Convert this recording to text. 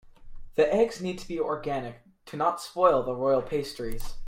The eggs need to be organic to not spoil the royal pastries.